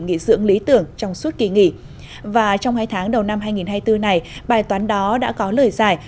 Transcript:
nghỉ dưỡng lý tưởng trong suốt kỳ nghỉ và trong hai tháng đầu năm hai nghìn hai mươi bốn này bài toán đó đã có lời giải